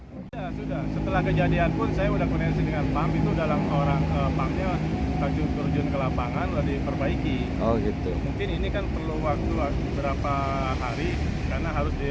mungkin ini kan perlu waktu berapa hari karena harus direlokasi sebagian